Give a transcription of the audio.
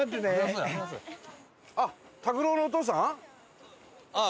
あっ卓郎のお父さん？